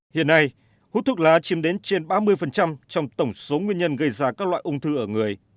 hiện nay hút thuốc lá chiếm đến trên ba mươi trong tổng số nguyên nhân gây ra các loại ung thư ở người